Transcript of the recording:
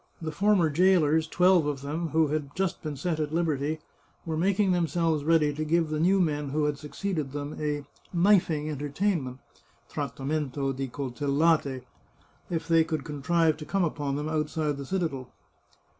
The former jailers, twelve of them, who had just been set at liberty, were mak ing themselves ready to give the new men who had suc ceeded them a " knifing entertainment " (trattamento di col tellate) if they could contrive to come upon them outside the citadel.